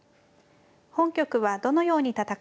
本局はどのように戦いますか。